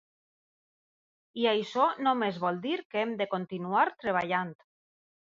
I això només vol dir que hem de continuar treballant.